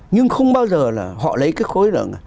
nhưng không bao giờ là họ lấy cái khối lượng